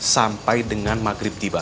sampai dengan maghrib tiba